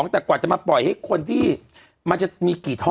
แต่กว่าจะมาปล่อยให้คนที่มันจะมีกี่ท่อ